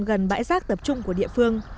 gần bãi rác tập trung của địa phương